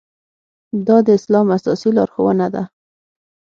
دا د اسلام اساسي لارښوونه ده.